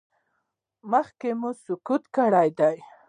مخکې مو سقط کړی دی؟